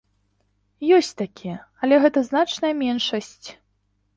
Ёсць такія, але гэта значная меншасць.